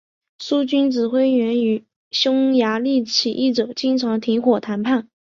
苏军指挥员与匈牙利起义者经常停火谈判。